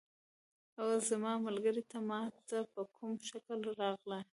اوه زما ملګری، ته ما ته په کوم شکل راغلې؟